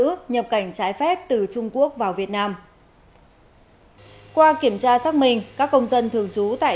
nhập cảnh trái phép từ trung quốc vào việt nam qua kiểm tra xác minh các công dân thường trú tại